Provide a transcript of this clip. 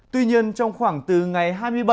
tuy nhiên trong khoảng từ ngày hai mươi bảy